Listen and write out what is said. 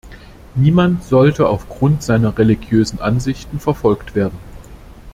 Niemand sollte aufgrund seiner religiösen Ansichten verfolgt werden.